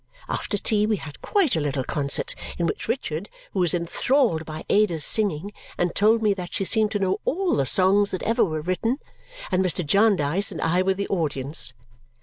After tea we had quite a little concert, in which Richard who was enthralled by Ada's singing and told me that she seemed to know all the songs that ever were written and Mr. Jarndyce, and I were the audience.